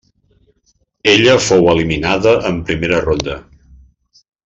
En ella fou eliminada en primera ronda.